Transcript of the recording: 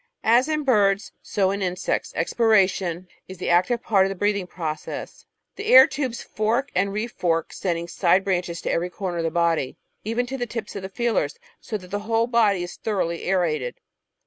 As in birds, so in insects, expiration is the active part of the breathing process. The air tubes fork and re fork, sending side branches to every corner of the body, even to the tips of the feelers, so that the whole body is thoroughly aerated.